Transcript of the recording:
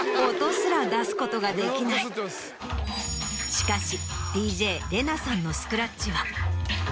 しかし。